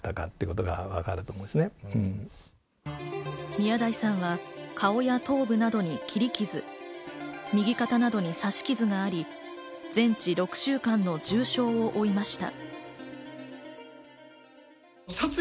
宮台さんは顔や頭部などに切り傷、右肩などに刺し傷があり、全治６週間の重傷を負いました。